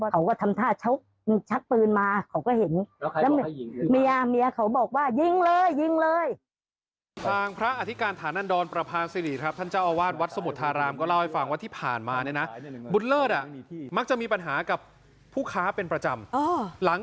เขาก็ทำท่าชักปืนมาเขาก็เห็นแล้วใครบอกให้ยิง